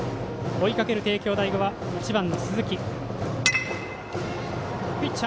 追いかける帝京第五は１番の鈴木。